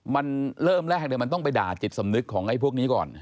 มันเริ่มแรกเลยมันต้องไปด่าจิตสำนึกของไอ้พวกนี้ก่อน